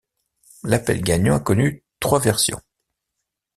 L'Appel gagnant a connu trois versions.